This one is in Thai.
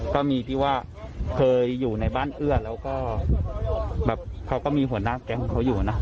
ก็มีที่ว่าเคยอยู่ในบ้านเอื้อแล้วก็แบบเขาก็มีหัวหน้าแก๊งของเขาอยู่นะ